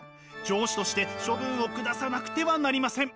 上司として処分を下さなくてはなりません。